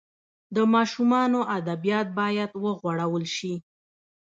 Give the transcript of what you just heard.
د ماشومانو ادبیات باید وغوړول سي.